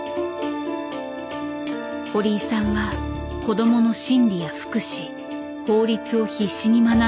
堀井さんは子どもの心理や福祉法律を必死に学んでいった。